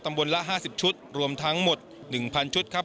ละ๕๐ชุดรวมทั้งหมด๑๐๐ชุดครับ